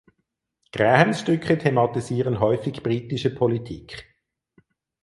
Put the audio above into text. Grahams Stücke thematisieren häufig britische Politik.